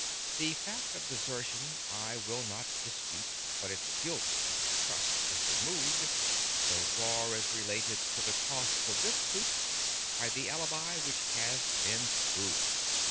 "The fact of Desertion I will not dispute; But its guilt, as I trust, is removed (So far as related to the costs of this suit) By the Alibi which has been proved.